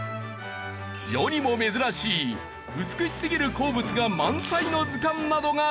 世にも珍しい美しすぎる鉱物が満載の図鑑などが登場！